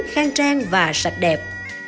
khang trang và sạch đẹp